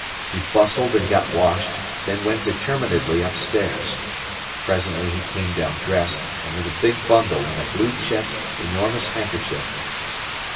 He bustled and got washed, then went determinedly upstairs. Presently he came down dressed, and with a big bundle in a blue checked, enormous handkerchief.